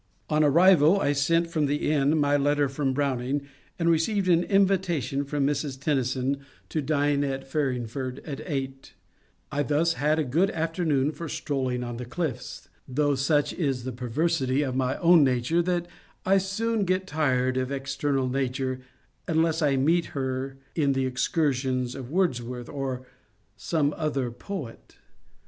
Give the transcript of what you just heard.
On arrival I sent from the inn my letter from Browning, and received an invitation from Mrs. Tennyson to dine at A STORY ABOUT TENNYSON 33 Farringford at eight I thus had a good afternoon for stroll ing on the cliffs, though such is the perversity of my own nature that I soon get tired of external nature, unless I meet her in the excursions of Wordsworth or some other poet.